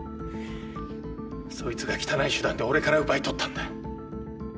そいつが汚い手段で俺から奪い取ったんだ。